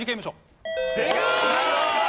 正解！